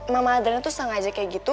mama adrian tuh sengaja kayak gitu